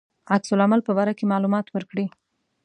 عکس العمل په باره کې معلومات ورکړي.